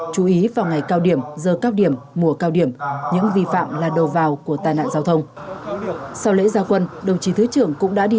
chú ý vào ngày cao điểm giờ cao điểm mùa cao điểm những vi phạm là đầu vào của tai nạn giao thông